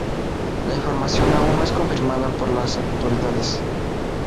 La información aún no es confirmada por la autoridades.